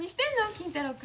金太郎君。